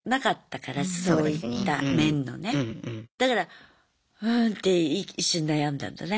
だからうんって一瞬悩んだんだね。